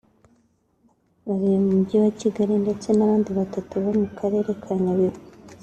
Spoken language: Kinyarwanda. babiri mu mujyi wa Kigali ndetse n’abandi batatu bo mu karere ka Nyabihu